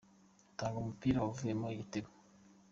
gutanga umupira wavuyemo igitego.